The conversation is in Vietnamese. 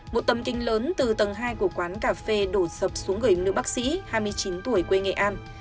một tầm kinh lớn từ tầng hai của quán cà phê đổ dập xuống gửi nữ bác sĩ hai mươi chín tuổi quê nghệ an